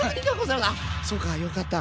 あっそうかよかった。